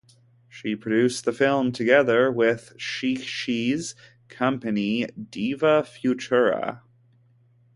She produced the film together with Schicchi's company Diva Futura.